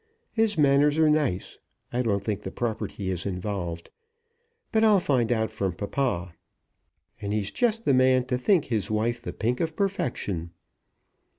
His manners are nice. I don't think the property is involved; but I'll find out from papa; and he's just the man to think his wife the pink of perfection."